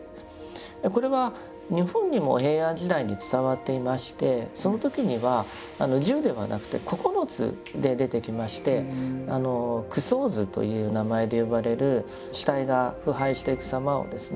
これは日本にも平安時代に伝わっていましてその時には十ではなくて九つで出てきまして「九相図」という名前で呼ばれる死体が腐敗していくさまをですね